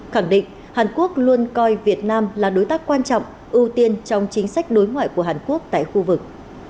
khẳng định hàn quốc luôn coi việt nam là đối tác quan trọng ưu tiên trong chính sách đối ngoại của hàn quốc tại khu vực